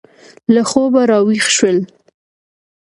له خوبه را ویښ شول.